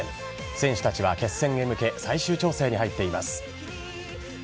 選手たちは決戦へ向け最終調整に入っています。